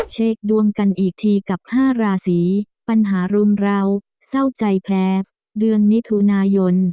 เช็คดวงกันอีกทีกับ๕ราศีปัญหารุมราวเศร้าใจแพ้เดือนมิถุนายน